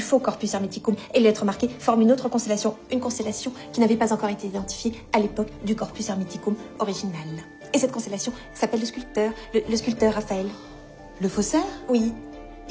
はい。